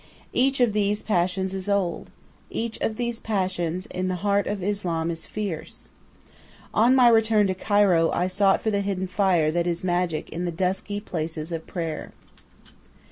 Each of these passions is old, each of these passions in the heart of Islam is fierce. On my return to Cairo I sought for the hidden fire that is magic in the dusky places of prayer.